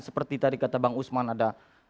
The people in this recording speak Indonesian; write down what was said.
seperti tadi kata bang usman ada